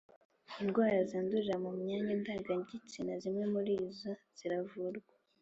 Indwara zandurira mu myanya ndangagitsina zimwe murizo ziravurwa